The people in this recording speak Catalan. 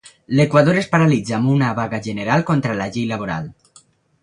L'Equador es paralitza amb una vaga general contra la llei laboral.